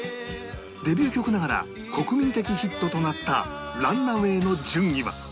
デビュー曲ながら国民的ヒットとなった『ランナウェイ』の順位は？